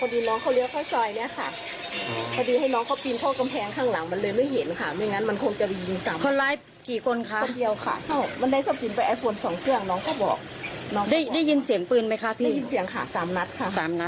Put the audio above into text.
เดี๋ยวพี่งออกมาดูใช่ไหมแล้วก็ได้ช่วยเหลือผู้หญิงใช่ไหมค่ะ